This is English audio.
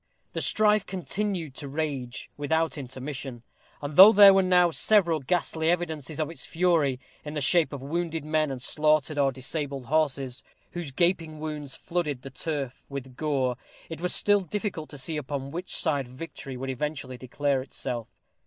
The strife continued to rage without intermission; and though there were now several ghastly evidences of its fury, in the shape of wounded men and slaughtered or disabled horses, whose gaping wounds flooded the turf with gore, it was still difficult to see upon which side victory would eventually declare herself.